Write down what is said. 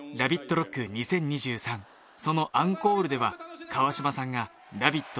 ＲＯＣＫ２０２３、そのアンコールでは川島さんが「ラヴィット！」